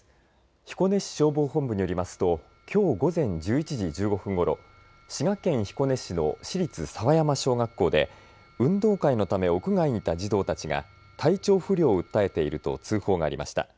彦根市消防本部によりますときょう午前１１時１５分ごろ滋賀県彦根市の市立佐和山小学校で運動会のため屋外にいた児童たちが体調不良を訴えていると通報がありました。